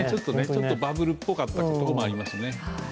ちょっとバブルっぽかったところもありましたね。